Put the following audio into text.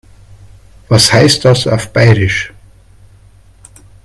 Was heißt das auf Bairisch?